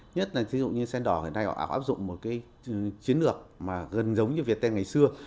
nhất là ví dụ như sendor hồi nay họ áp dụng một chiến lược gần giống như việt nam ngày xưa